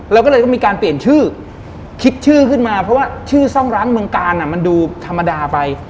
เราก็เลยต้องมีการเปลี่ยนชื่อคิดชื่อขึ้นมาเพราะว่าชื่อซ่องรั้งเมืองกาลมันดูธรรมดาไป